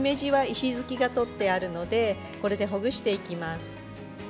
石突きが取ってあるのでほぐしていきます。